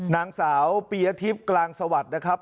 นางสาวปีอาทิบการ์ณสวัสดิ์นะครับ